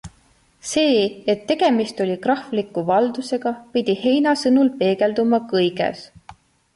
See, et tegemist oli krahvliku valdusega, pidi Heina sõnul peegelduma kõiges.